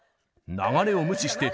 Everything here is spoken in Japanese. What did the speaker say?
流れを無視して